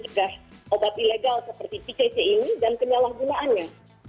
mencegah obat ilegal seperti pcc ini dan penyalahgunaannya